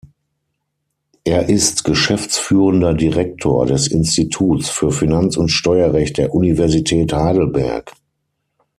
Er ist geschäftsführender Direktor des Instituts für Finanz- und Steuerrecht der Universität Heidelberg.